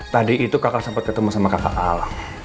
tadi itu kakak sempet ketemu sama kakak al